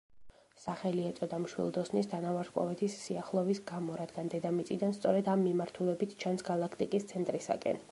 სახელი ეწოდა მშვილდოსნის თანავარსკვლავედის სიახლოვის გამო, რადგან დედამიწიდან სწორედ ამ მიმართულებით ჩანს, გალაქტიკის ცენტრისაკენ.